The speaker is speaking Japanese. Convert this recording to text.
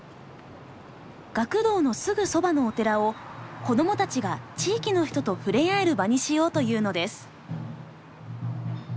学童のすぐそばのお寺を子どもたちが地域の人と触れ合える場にしようというのです。